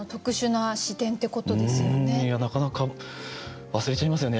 いやなかなか忘れちゃいますよね